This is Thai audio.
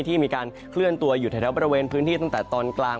ที่มีการเคลื่อนตัวอยู่แถวบริเวณพื้นที่ตั้งแต่ตอนกลาง